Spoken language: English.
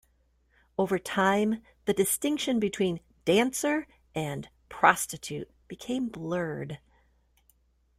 Over time, the distinction between "dancer" and "prostitute" became blurred.